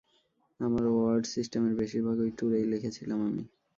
আমার ওয়ার্ড সিস্টেমের বেশিরভাগ ঐ ট্যুরেই লিখেছিলাম আমি।